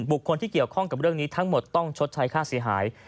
บุคคลที่เกี่ยวข้องกับเรื่องนี้ทั้งหมดต้องชดใช้ค่าเสียหาย